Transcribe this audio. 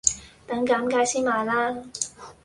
等減價先買啦